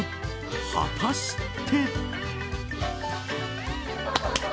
果たして。